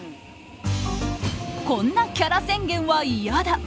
こんなキャラ宣言は嫌だ！